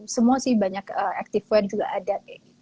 semua sih banyak activewear juga ada